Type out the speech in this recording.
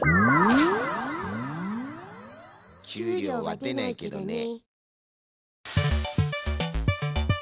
給料は出ないけどね。